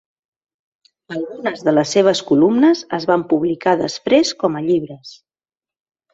Algunes de les seves columnes es van publicar després com a llibres.